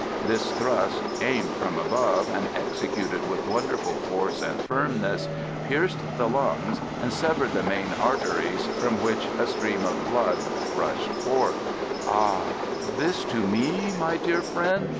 This thrust, aimed from above, and executed with wonderful force and firmness, pierced the lungs, and severed the main arteries, from which a stream of blood rushed forth. "Ah, this to me, my dear friend?"